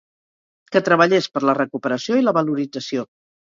que treballés per la recuperació i la valorització